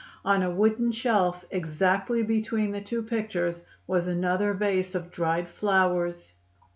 On a wooden shelf, exactly between the two pictures, was another vase of dried flowers.